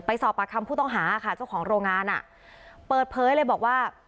สอบปากคำผู้ต้องหาค่ะเจ้าของโรงงานอ่ะเปิดเผยเลยบอกว่า